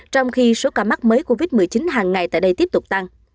trong khi số ca mắc mới covid một mươi chín hàng ngày tại đây tiếp tục tăng